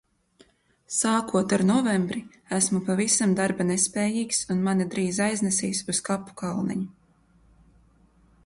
Sākot ar novembri esmu pavisam darba nespējīgs un mani drīz aiznesīs uz kapu kalniņu.